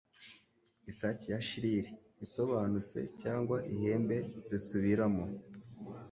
Isake ya shrill isobanutse, cyangwa ihembe risubiramo,